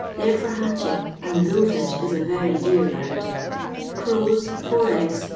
they 're for hal^ ing, and the bulfinch is a very dear Urd. Orawi^ four eggs.